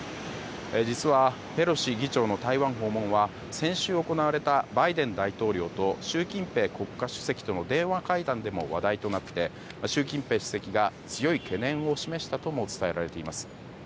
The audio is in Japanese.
実は、ペロシ議長の台湾訪問は先週行われたバイデン大統領と習近平国家主席との電話会談でも話題となって習近平主席が強い懸念を示したとも伝えられています。